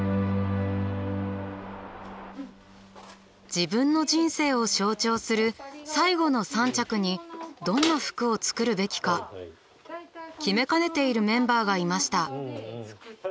自分の人生を象徴する「最後の３着」にどんな服を作るべきか決めかねているメンバーがいました。